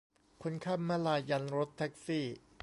คนข้ามม้าลายยันรถแท็กซี่